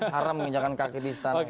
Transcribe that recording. haram menginjakan kaki di istana